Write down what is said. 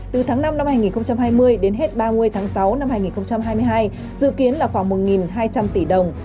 từ tháng năm năm hai nghìn hai mươi đến hết ba mươi tháng sáu năm hai nghìn hai mươi hai dự kiến là khoảng một hai trăm linh tỷ đồng